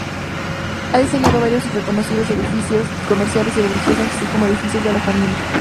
Ha diseñado varios y reconocidos edificios comerciales y religiosos, así como edificios de alojamiento.